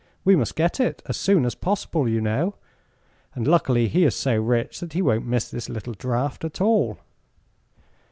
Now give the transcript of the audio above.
We must get it as soon as possible, you know, and luckily he is so rich that he won't miss this little draft at all."